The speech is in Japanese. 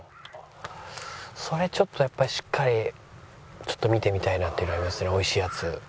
それちょっとやっぱしっかり見てみたいなっていうのはありますね美味しいやつ。